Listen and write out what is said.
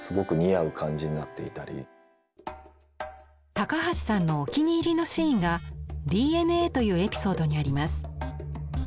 高橋さんのお気に入りのシーンが「Ｄ・Ｎ・Ａ」というエピソードにあります。